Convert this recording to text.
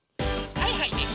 はいはいです！